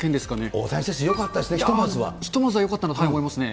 大谷選手よかったですね、ひとまずはよかったと思いますね。